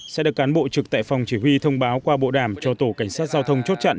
sẽ được cán bộ trực tại phòng chỉ huy thông báo qua bộ đàm cho tổ cảnh sát giao thông chốt trận